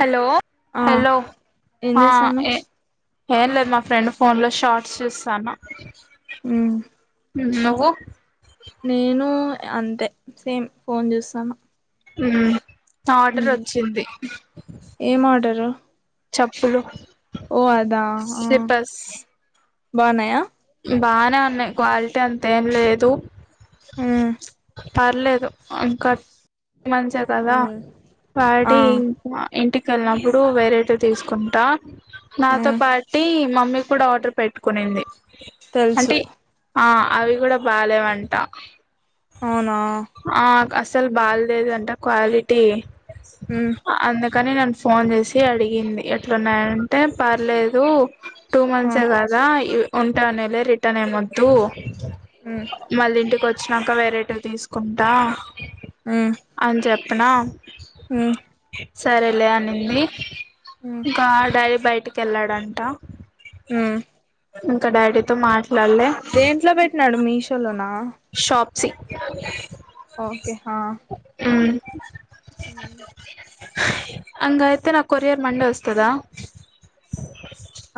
Hello ఆ hello ఏం ఆ చేస్తాన్నావ్ ఏ ఏం లేదు మా ఫ్రెండ్ ఫోన్ లో షార్ట్స్ చూస్తానా ఉమ్ ఉ నువ్వు నేను అంతే సేమ్ ఫోన్ చూస్తాన ఉ ఆర్డర్ వచ్చింది ఏం ఆర్డరు చెప్పులు ఓ అదా ఆ స్లిపర్స్ బాగున్నాయా బాగానే ఉన్నాయి క్వాలిటీ అంత ఏం లేదు ఉ పర్లేదు ఇంకా మంచే కదా ఆ వాటి ఇంటికి వెళ్ళినప్పుడు వెరైట్ తీసుకుంటా నాతో ఉమ్ పార్టీ మమ్మీ కూడా ఆర్డర్ పెట్టుకునింది తెలుసు అంటే ఆ అవి కూడా బాలేేవంట అవునా అసలు బల్లేదంటా క్వాలిటీ ఉమ్ కానీ నన్ను ఫోన్ చేసి అడిగింది ఎట్లాన్నాదంటే పర్లేేదు టూ ఆ మంత్సే కదా ఉంటా అనేలే రిటర్న్ ఏ మొద్దు ఉమ్ మళ్ళ ఇంటికి వచ్ వచ్చినాక వెరైటీవి తీసుకుంటా ఉమ్ అన్జబ్ అన్నా ఉమ్ సరేలే అనింది ఉమ్ ఇంకా డైప్ బయటికి వెళ్ళాడంట ఉమ్ ఇంకా డాడీతో మాట్ దేంట్లో పెట్నాడు మీషోలొనా షాప్సి ఓకే హా హ్మ్ అంధ అయితే నాకు కొరియర్ మండే వస్తాదా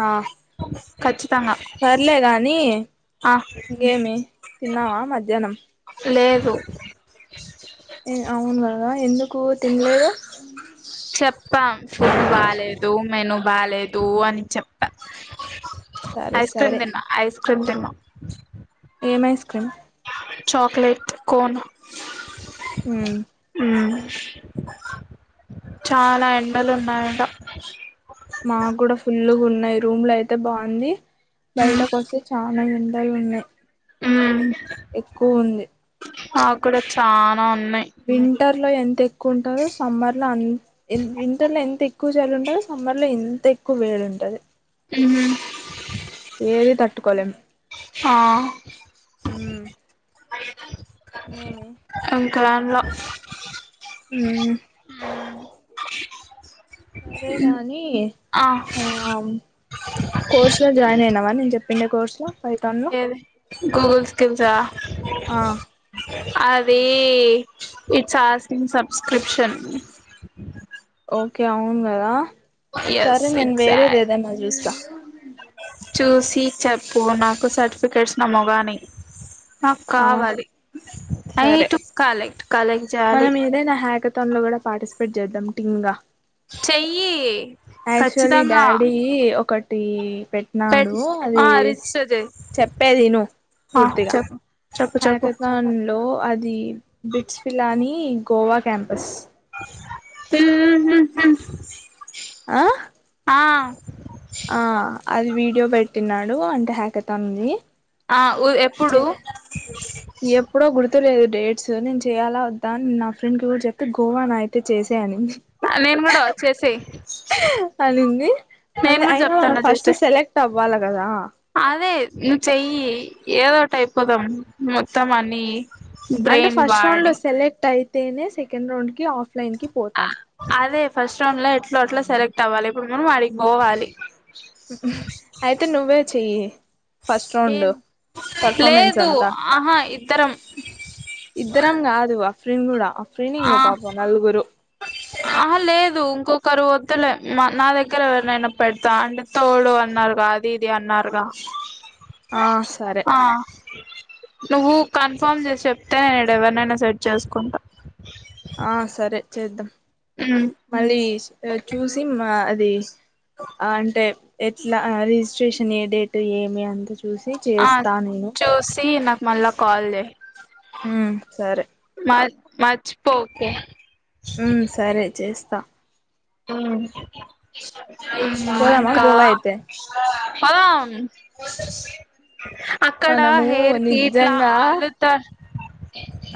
ఆ కచ్చి త్ సర్లేగాని ఆ ఇంకేమి తిన్నావా మధ్ ధ్యానం లేదు ఏ అవును ఎందుకు తినలేదు చెప్పాం ఫుడ్ బాలేదు మెను బాలేద్ తూ అని చెప్ప సరే ఐస్ క్రీమ్ సరే తిన్నా ఐస్ క్రిం తిన్నా ఏం ఐస్క్రీమ్ చాక్లేట్ కోన్ హ్మ్ హ్మ్ చాలా ఎండలున్నాయంట. మాకు కూడా ఫుల్లుగా ఉన్నాయి రూమ్ లో అయితే బాగుంది. బయటకు వస్తే చానా ఎండ డల్ ఉన్నాయి హ్మ్ ఎక్కువ ఉంది నాకు కూడా వచ్చు శా వింటర్ లో ఎంత ఎక్కువ ఉంటందో సమ్మర్ లో అం విం వింటర్ లో ఎంత ఎక్ ఎక్కువ చలి ఉంటది. సమ్మర్ లో ఎంత ఎక్కువ వేడి ఉంటది. ఉ ఏది తట్టుకోలేం ఆ ఉమ్ ఇంగేమి ఇంకా ఏం లేవ్ ఉమ్ హ్మ్ సరే గాని ఆ ఆ కోర్స్ లో జాయిన్ అయినావ అ నేను చెప్పిండే కోర్సు లో పైథాన్ లో ఏది గూగుల్ స్కిల్స ఆ అదే ఇట్స్ అస్కింగ్ సబ్స్క్రిప్షన్ ఓకే అవును గాదా ఎస్ సరే నేను వేరేది ఎగ్జాక్ట్ ఏదైనా చూస్త చూసి చెప్పు నాకు సర్టిఫికేట్స్ నా మోగా ఏయ్ నాకు ఆ కావాలి. సరే నైట్ కలెక్ట్ కలెక్ట్ జెయాలి. మా అక్కతో నీ నువ్వు గుడా పార్టిసిపేట్ చేద్దాం. టీమ్ గా చెయ్యి ఆక్చువల్లీ ఖచ్చితంగా డాడీ ఒకట్ ఈ పెట్ పెట్టినాడు. ఆ అది రిజిస్టర్ చెయ్ చెప్పేది ఇను ఆ పూర్తిగా చెప్పు చెప్పు చెప్పు హాకతన్ లో అ the BITS Pilani Goa campus మ్ హు ఆ ఆ ఆ అది వీడి డియో పెట్టినాడు అంటే హ్యాకతమ్దీ ఆఊ ఎప్పుడు ఎప్పుడో గుర్తు లేదు డేట్స్ నేను చేయాలా వద్దా నా ఫ్రెండ్ కూడా చెప్తే గోవాన అయితే చేసై అనిం నేను కూడా చేసై అనింది నేను కూడా చెప్తాను చేసై వాల కదా అదే నువ్వు చెయ్యి ఏదో ఒకటి అయిపోదాం మొత్తం అని అంటే ఫస్ట్ రౌండ్ లో సెలెక్ట్ అయి తేనే సెకండ్ రాౌండ్ కి ఆఫ్ లైన్ కి పోతాం అదే ఫస్ట్ రౌండ్ లో ఎట్లా అట్లా సెలెక్ట్ అవ్వాలి ఇప్పుడు మనం అడిగి పోవాలి అయితే నువ్వే చెయ్యి ఫస్ట్ రౌండ్ ఏం పర్ఫార్మెన్స్ లేదు అంతా ఆహా ఇద్దరం ఇద్దరం కాదువా శ్రింగుడ ఫ్రీని ఇంగో పాప నలుగురు ఆ లేదు ఇంకొకరు వద్దలే మా నా దగ్గర ఎవరినైనా పెడతా అంటే తోడు అన్నారుగా అది ఇది అన్నారుగా ఆ సరే ఆ నువ్వు కన్ఫర్మ్ చేసి చెప్తే ఇడా ఎవరినైనా సెట్ చేసుకుంటా ఆ సరే చేద్దాం ఉమ్ మళ్ళీ సరే చూసి మా అది అంటే ఎట్లా అది స్ స్టుషన్ ఏ డేట్ ఏమి అంత చూసి ఆ చేస్తా నేను చూసి నాకు మళ్ళా కాల్ చేయ్ హ్మ్ సరే మర్చిపోకే హుమ్ సరే చేస్తా హ్మ్ పోదామా ఇంకా గోవా అయితే పోదాం అక్కడ మనము హెయిర్ కి ఇట్లా నిజంగా అల్లుతరు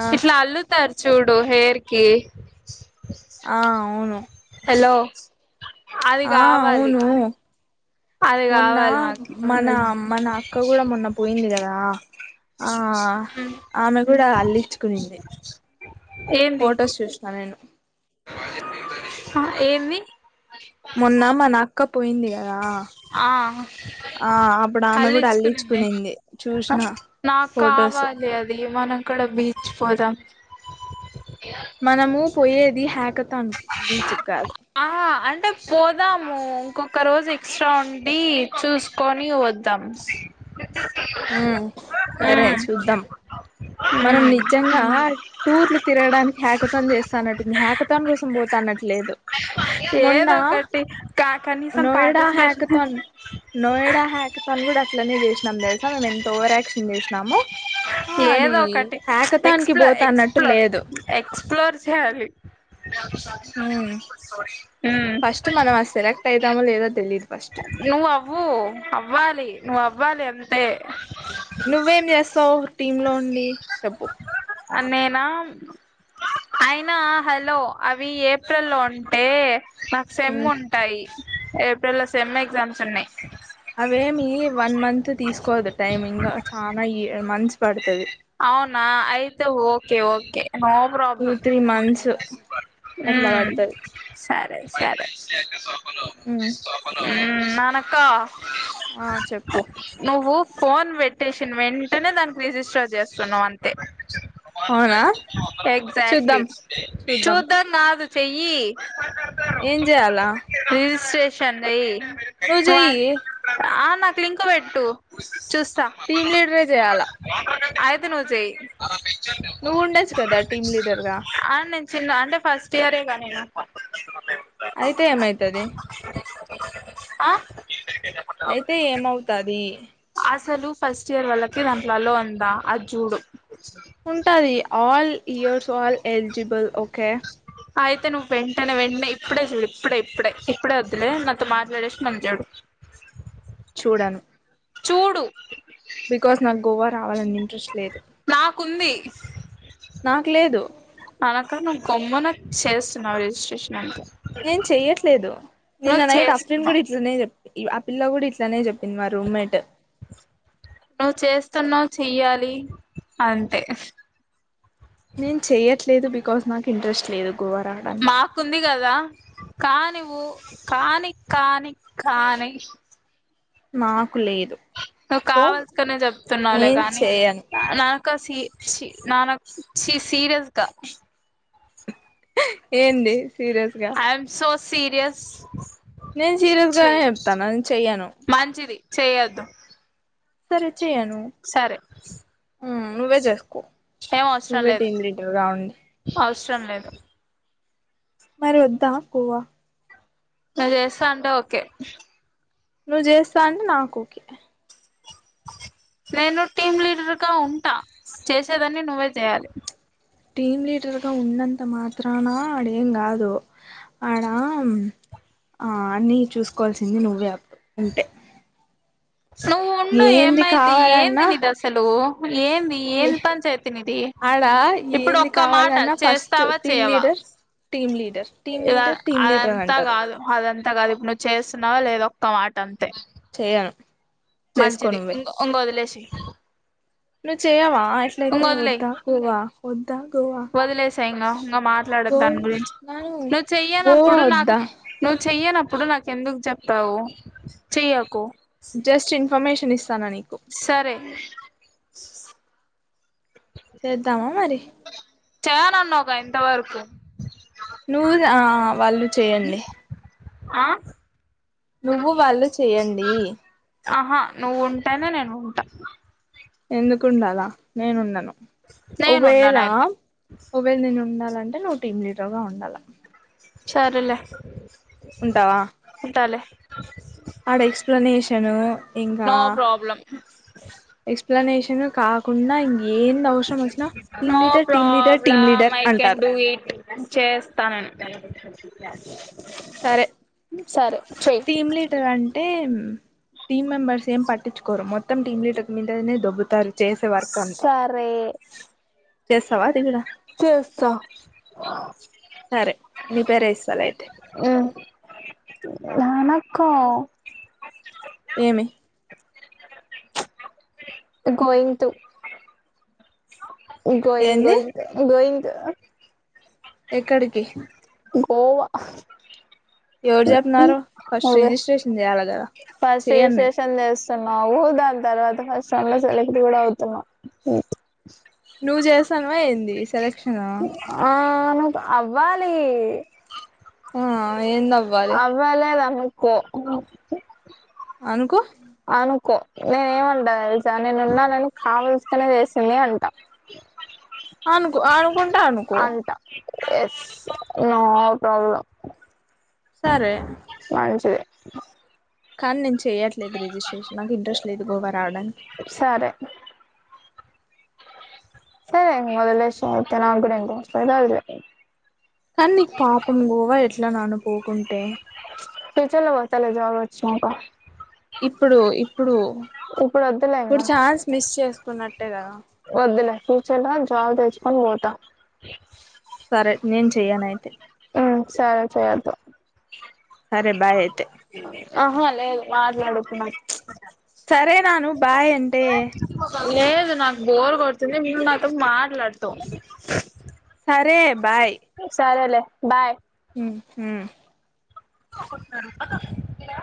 ఆ ఇట్లా అల్లుతారు చూడు హేర్ కి ఆ అవును హలో అది ఆ కావాలి అవును అది మొన్న కావాలి నాకు మన మన అక్క కూడా మొన్న పోయింది కదా ఆ ఆమె కూడా అల్లిచ్చుకునింది ఫొటోస్ చూసిన నేను ఆ ఏంది మొన్న మన అక్క పోయింది కదా ఆ ఆ అప్పుడు ఆమె కూడా అళ్లిచ్చుకునింది అల్లించుకునింది చూసిన ఫొటోస్ నాకావాలి అది మనం కూడా బీచ్ పోదాం మనము పోయేది హ్యాక్ కతాన్ కి బీచ్ కు గాదు. ఆ అంటే పోదాము ఇంకొక రోజు ఎక్స్ట్రా ఉండి చూసుకొని వద్దాం మ్మ్ సరే ఉమ్ చూద్దాం మనం ఉమ్ నిజంగా టూర్లు తిరగడానికి హ్యాకథాన్ చేస్తానట్టుంద హ్యాకథాన్ న్ కోసం పోతున్నట్లు లేదు మొన్న ఏదో ఒకటి కా కనీసం Noida participation hackathon Noida hackathon కూడా అట్లనే చేసినాం తెలుస ఎంత ఓవరాక్షన్ చేసినవ్ ఏదొ ఒకటి హ్యాకథాన్ కి ఎక్స్ప్లో పోతా అన్నట్టు ఎక్స్ప్లోర్ లేదు ఎక్స్ప్లోర్ చేయాలి. మ్మ్ ఉమ్ ఫస్ట్ మనం అది సెలెక్ట్ అయితామో లేదో తెలీదు ఫస్ట్ నువ్ అవ్వు అవ్వాలి నువ్ అవ్వాలి తే అంతే నువ్వేం చేస్తావ్ టీమ్ లోండి చెప్పు నేనా అయినా హలో అవి ఏప్రిల్లో అంటే నాకు సెమ్ మ్మ్ ఉంటాయి ఏప్ ఏప్రిల్ లో సెమ్ ఎగ్జామ్స్ ఉన్నాయి అవేమి వన్ మంత్ తీసుకోదు టైమ్ ఇంకా చాలా ఇయ మంత్స్ పడుతది అవునా అయితే okay okay okay no two problem three months ఉ అట్లా పడుతది సరే సరే మ్మ్ ఉ నానక్క ఆ చెప్పు నువ్వు ఫోన్ పెట్టే షిన వెంటనే దాని రిజిస్టర్ చేస్తున్నావు అంతే అవునా ఎక్జా ట్లీ చూద్దాం చూద్దాం నాది చెయ్యి ఏం చేయాలా స్టేషన్ ది నువు జెయ్యి నాకు లింకు పెట్టు చూస్ టీమ్ లీడరే చేయాలా ఐతే నువు జెయ్యి నువ్వు ఉండొచ్చు కదా టీమ్ లీడర్గా ఆ నేను చిన్న అంటే ఫస్ట్ ఇయరేగా నేను అయితే ఏమైతది ఆ అయితే ఏమవుతది అసలు ఫస్ట్ ఇయర్ వాళ్లకి దాంట్లో అలో ఉందా ఆ జ్జూడు ఉంటాది all years all eligible okay అయితే నువ్వు వెంటనే వెంటనే ఇప్పుడే చూడు ఇప్పుడే ఇప్పుడే ఇప్పుడే వద్లే నాతో మాట్లాడేసి మలిచూడు చూడాను చూడు రావాలంది ఇంట్రెస్ట్ లేదు నాకుంది స నాకు లేదు కొమ్మన చేస్తున్నావు రిజిస్ట్రేషన్ అంతే నేను చెయట్లేదు నిన్న నువ్వు నైట్ అఫ్రిన్ కూడా చేస్తున్నావు ఇట్లనే చెప్పి ఆ పిల్ల కూడా ఇట్లానే చెప్పింది మా రూమ్మేట్ నువ్వు చేస్తున్నావుచెయ్యాలి అంతే నేను చెయ్యట్లేదు బికాస్ నాకు ఇంట్రెస్ట్ లేదు గోవా రావడానికి మాకుంది కదా కానివ్వు కాని కాని కాని మా నువ్వు కావల్సుకునే చెప్తున్నావులే నేను కానీ చేయను నాన సి చి నాన చి సీరియస్గా ఏంది సీరియస్ గా ఐఎమ్ సో సీరియస్ నేను సీరియస్ గానే చెయ్ చెప్తాను నను చెయ్యను మంచిది చేయొద్దు సరే చెయ్య నువ్వు సరే ఉ నువ్వే చేసుకో ఏం నువ్వే టీంది లీటర్ కావండి సరం లేదు మరి వద్దా పోవా ఇట్లా చేస్తే అంటే ఓకే నువ్వు చేస్తా అంటే నాకు ఓకే నేను టీమ్ లీడర్గా ఉంటా చేసేదాన్ని నువ్వే చేయాలి టీమ్ లీడర్గా ఉన్నంత మాత్రాన ఆడేం కాదు ఆడ అన్నీ చూసుకోవాల్సింది నువ్వే అప్పు అంటే నువ్వు ఉండు ఏమైంది ఏంది కావాలన్నా నిదసలు ఏంది ఏం పని చేయతనిది ఆడ ఇప్పుడు ఏంది ఒక్క మాట కావాలన్నా ఫస్ట్ చేస్తావా టీమ్ చేయవా లీడర్ టీమ్ లీడర్ ఆ టీమ్ ఎ లీడర్ టీమ్ లీడర్ అని అదంతా అంటారు కాదు అదంత అంత కాదు ఇప్పుడు నువ్వు చేస్తున్నావ లేద ఒక్క మాట అంతే చేయను చేసుకో మంచిదింగ ఉంగ వదిలేసేయ్ ను చేయవా అ ఇంగ ఎట్లయితే వదిలేయ్ వద్దా కోవా ఓద్ త్త గోవా తెంగా మాట్లాడ గో దాని గురించి నాను నువ్వు గోవా చెయనప్పుడు నాకు వద్దా నువ్ చెయనప్పుడు నాకు ఎందుకు చెప్పావు చెయ్యకు జస్ట్న్ కమేషనిస్ సరే స్ చేద్దామా మరి చేయనాన్నాకా ఇంతవరకు నువ్వు ఆ వాళ్ళు చెయన్లే ఆ నువ్వు వాళ్ళు చెయండి ఆహా నువ్వు ఉంటానే నేను ఉంటా ఎందుకుండాలా నేనుండను. నేను ఒకఓవేళ ఉండనయితే ఒకఓవేళ నేను ఉండాల, అంటే నువ్వు టీమ్ లీడర్ గా ఉండాల. చరలే ఉంటావా ఆడ ఎక్స్ప్లెనేష షను ఇంకా నో ప్రాబ్లం ఎక్స్ప్లనేషన్ నేను కాకుండా ఇంకా no leader team problem leader I can అంటారు డూ ఎట్ చేస్తానం [unintelligible] సరే టీమ్ లీటర్ అంటే టీం మెంబర్స్ ఏం పట్టించుకోరు మొత్తం టీం లీడర్ మీదనే ధోబుతారు చేసే వర్క్ అంతా సరే చేస్తావా తిగ కూడా చెస్థా సరే నీ పేరే ఇస్తాలే అయితే నక్క ఏమి గోయింగ్ టూ గోయింగ్ ఏంది గోయింగ్ గోయింగ్ థాయా ఎక్కడికి గోవా ఎవరు చెప్పినారో ఫస్ట్ అవే రిజిస్ట్రేషన్ చేయ్యాలి కదా చేయను నేను వ్ దాని తర్వాత ఫస్ట్ రండ్ లో సెలబ్రిటీ కూడా అవుతున్నావు నువ్ చేస్తాను ఏంది సెలెక్షన్ ఆ అవాల్ ఆ ఏందవ్వాలి అవలేధా కో అనుకో అనుకో నేనేమంటా టెలుసా నేను ఉన్నానని కావల్సికునే వేసింది అంటా అనుకో అనుకుంటా అనుకో అంట ఎస్ నో ప్రాబ్లం సరే మంచిధి కాని నుంచి చెయట్లేదు రిజిస్ట్రేషన్ నాకు ఇంట్రెస్ట్ లేదు గోవా రావడానికి సరే సరే ఇంకా వదిలేసేయ్ ఉర్కేన్ నాకు కుడా ఇంట్రెస్ట్ లేదు వదిలేసేయ్ కానీ నీకు పాపం గోవా ఎట్లా నాన్న పోకుంటే ఫ్యూచర్‌లో పోతాలే జాబ్ వచ్చినాక ఇప్పుడు ఇప్పుడు ఇప్పుడు వద్దులే ఇప్పుడు ఇంకా ఛాన్స్ మిస్ చేసుకున్నట్టే కద పోత సరే నేను చెయ్యన అయితే హమ్ సరె సయదు సరే బాయ్ అయితే ఆహా లేదు మాట్లాడు ఇప్పుడు నాతో సరే నాను బాయ్ అంటే లేదు నాకు బోర్ కొడుతుంది మ నాతో మాట్లాడతవ్ సరే బాయ్ సరేలే బాయ్ హమ్ ట్న్నారు కద